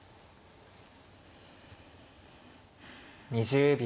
２０秒。